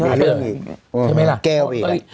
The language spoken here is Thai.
มีเรื่องอีกแก้วไปอีก